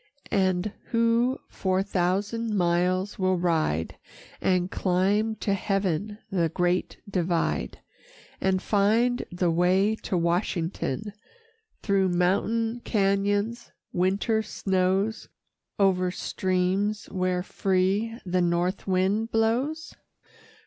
And who four thousand miles will ride And climb to heaven the Great Divide, And find the way to Washington, Through mountain cañons, winter snows, O'er streams where free the north wind blows?